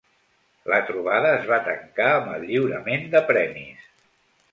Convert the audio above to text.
La trobada es va tancar amb el lliurament de premis.